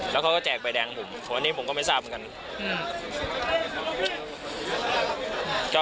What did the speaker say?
แล้วเขาก็แจกใบแดงผมอันนี้ผมก็ไม่ทราบเหมือนกัน